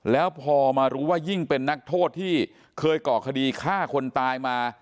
แล้วพอมารู้ว่ายิ่งเป็นนักโทษที่เคยก่อคดีฆ่าคนตายมา